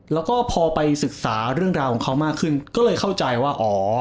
แล้วก็พอไปศึกษาเรื่องราวของเขามากขึ้นก็เลยเข้าใจว่าอ๋อ